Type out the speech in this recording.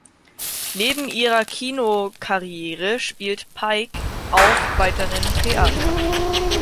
Neben ihrer Kinokarriere spielt Pike auch weiterhin Theater.